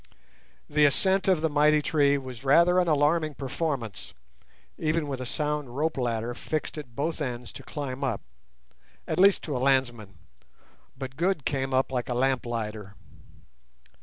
The ascent of the mighty tree was rather an alarming performance, even with a sound rope ladder fixed at both ends to climb up, at least to a landsman; but Good came up like a lamplighter.